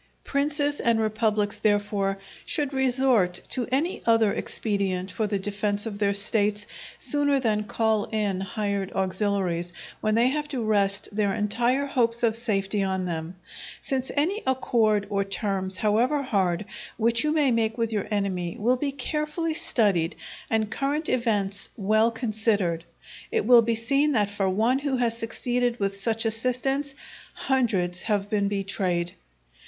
Princes and republics, therefore, should resort to any other expedient for the defence of their States sooner than call in hired auxiliaries, when they have to rest their entire hopes of safety on them; since any accord or terms, however hard, which you may make with your enemy, will be carefully studied and current events well considered, it will be seen that for one who has succeeded with such assistance, hundreds have been betrayed.